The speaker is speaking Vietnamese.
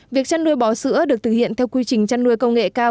việc chăn nuôi bò sữa được thực hiện theo quy trình chăn nuôi công nghệ cao